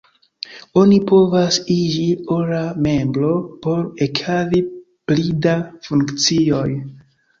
Oni povas iĝi ora membro por ekhavi pli da funkcioj.